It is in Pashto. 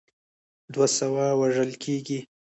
دوه سوه وژل کیږي.